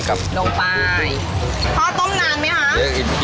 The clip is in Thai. เอาไปเลย